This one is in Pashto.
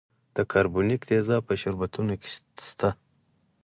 د کاربونیک تیزاب په شربتونو کې شته دی.